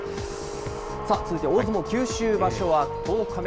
さあ、続いて大相撲九州場所は１０日目。